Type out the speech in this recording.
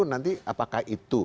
nanti apakah itu